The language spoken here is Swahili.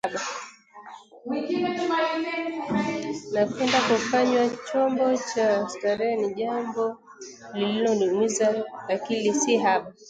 na kwenda kufanywa chombo cha starehe ni jambo lililoniumiza akili si haba